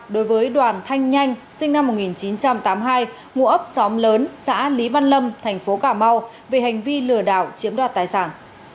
đối với đoàn thanh nhanh sinh năm một nghìn chín trăm tám mươi hai ngụ ấp xóm lớn xã lý văn lâm thành phố cà mau về hành vi lừa đảo chiếm đoạt tài sản